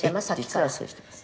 実はそうしてます」